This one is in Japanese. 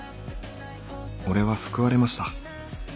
俺は救われました。